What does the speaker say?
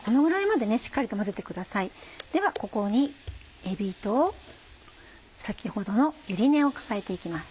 ではここにえびと先ほどのゆり根を加えて行きます。